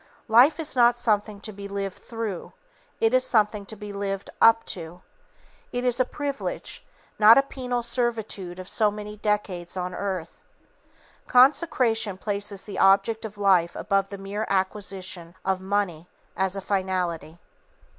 Life is not something to be lived through; it is something to be lived up to. It is a privilege, not a penal servitude of so many decades on earth. Consecration places the object of life above the mere acquisition of money, as a finality.